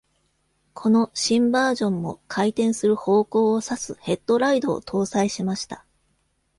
この新バージョンも回転する方向を指すヘッドライドを搭載しました。